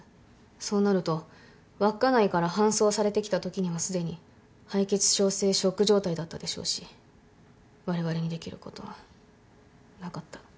そうなると稚内から搬送されてきたときにはすでに敗血症性ショック状態だったでしょうしわれわれにできることはなかった。